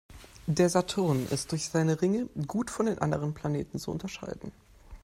Der Saturn ist durch seine Ringe gut von den anderen Planeten zu unterscheiden.